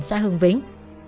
xã hương vĩnh